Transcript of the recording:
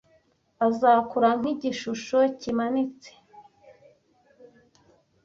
azakura nk'igishusho kimanitse